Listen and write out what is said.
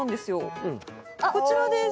こちらです。